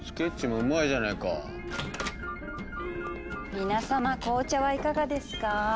皆さま紅茶はいかがですか。